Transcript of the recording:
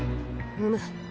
うむ。